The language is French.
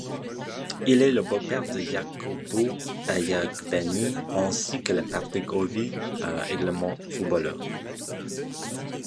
Il est le beau-père de Yakubu Aiyegbeni, ainsi que de Patrick Ovie, également footballeurs.